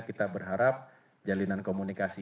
kita berharap jalinan komunikasi